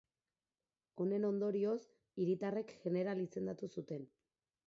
Honen ondorioz, hiritarrek jeneral izendatu zuten.